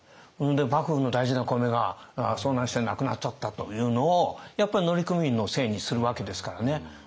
幕府の大事な米が遭難してなくなっちゃったというのをやっぱり乗組員のせいにするわけですからね。